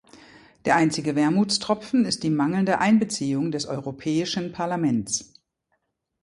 Der einzige Wermutstropfen ist die mangelnde Einbeziehung des Europäischen Parlaments.